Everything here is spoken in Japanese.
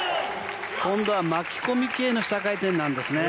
今度は巻き込み系の下回転なんですね。